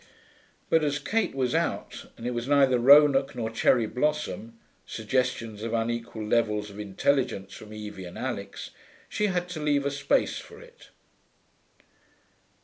But, as Kate was out, and as it was neither Ronuk nor Cherry Blossom (suggestions of unequal levels of intelligence from Evie and Alix), she had to leave a space for it.